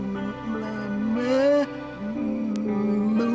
mama harus selalu berhubung carrie aer ying dan harry